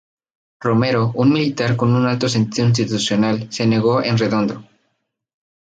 Romero, un militar con un alto sentido institucional, se negó en redondo.